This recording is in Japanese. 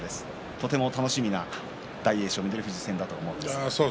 とても楽しみな大栄翔、翠富士戦だと思います。